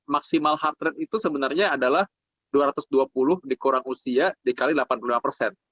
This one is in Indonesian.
maksimal heart rate itu sebenarnya adalah dua ratus dua puluh dikurang usia dikali delapan puluh lima persen